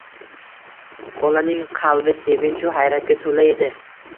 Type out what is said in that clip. Bolaning qalbi sevinchu hayratga toʻla edi